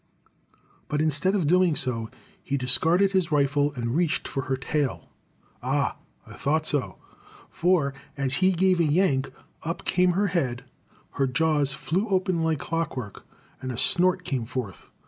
But instead of doing so, he discarded his rifle and reached for her tail. Ah, I thought so! for, as he gave a yank, up came her head, her jaws flew open like clockwork, and a snort came forth.